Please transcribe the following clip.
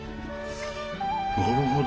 なるほど。